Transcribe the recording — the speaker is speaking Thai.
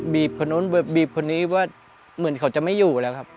คนนู้นบีบคนนี้ว่าเหมือนเขาจะไม่อยู่แล้วครับ